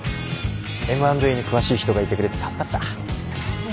Ｍ＆Ａに詳しい人がいてくれて助かった。